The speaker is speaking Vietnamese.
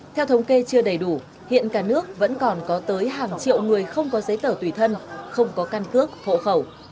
theo thống kê chưa đầy đủ hiện cả nước vẫn còn có tới hàng triệu người không có giấy tờ tùy thân không có căn cước hộ khẩu